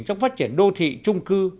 trong phát triển đô thị trung cư